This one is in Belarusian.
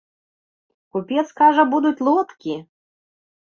Купец кажа, будуць лодкі!